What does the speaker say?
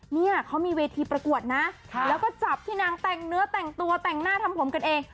เนี่ยเขามีเวทีประกวดนะแล้วก็จับที่นางแต่งเนื้อแต่งตัวแต่งหน้าทำผมกันเอง